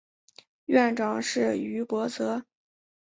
院长是于博泽。